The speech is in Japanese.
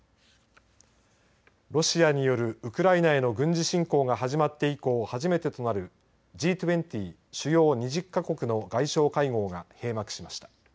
ロシアによるウクライナへの軍事侵攻が始まって以降初めてとなるＧ２０主要２０か国の外相会合が閉幕しました。